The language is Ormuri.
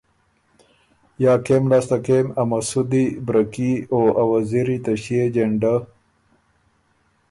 یا کېم لاسته کېم ا مسُودی، برکي او ا وزیری ته ݭيې جېنډۀ